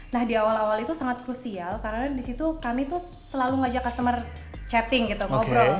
nah di awal awal itu sangat krusial karena disitu kami tuh selalu ngajak customer chatting gitu ngobrol